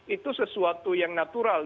itu sesuatu yang natural